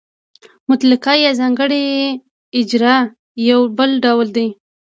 مطلقه یا ځانګړې اجاره یو بل ډول دی